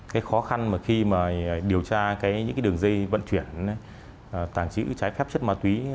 cái khó khăn mà khi mà điều tra những cái đường dây vận chuyển tàng trữ trái phép chất ma túy